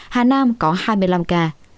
hà nam có hai mươi năm ca